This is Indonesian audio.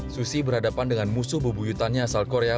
susi berhadapan dengan musuh bebuyutannya asal korea